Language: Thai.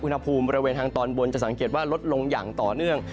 อุณหภูมิบริเวณทางตอนบนจะสังเกตว่าลดลงอย่างต่อเนื่อง